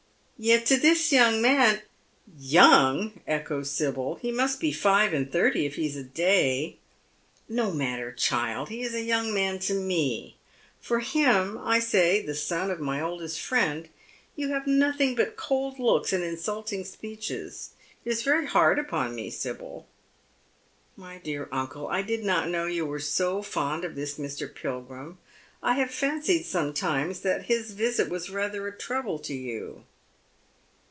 Yet to this young man "" Young !" echoes Sibyl. " He must be five and thirty if he'g a day." *' No matter, child, he is a young man to me. For him, I say — the son of my oldest friend — you have nothing but cold looks and insulting speeches. It is very hard upon me, Sibyl." " My dear uncle, I did not know you were so fond of this Mr. Pilgrim. I have fancied sometimes that his visit was rather a trouble to you."